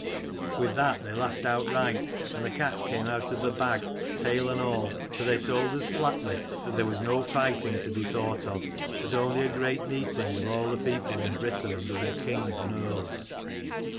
' "With that they laughed outright, and the cat came out of the bag, tail and all : for they told us flatly that there was no righting to be thought of: but only a great meeting of all the people in Britain under their kings and earls.